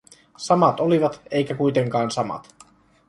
Samat olivat, eikä kuitenkaan samat.